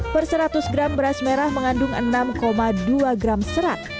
per seratus gram beras merah mengandung enam dua gram serat